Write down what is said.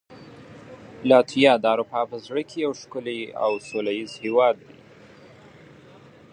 لاتویا د اروپا په زړه کې یو ښکلی او سولهییز هېواد دی.